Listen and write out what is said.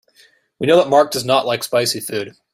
We know that Mark does not like spicy food.